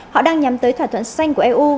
họ đang nhắm tới thỏa thuận xanh của eu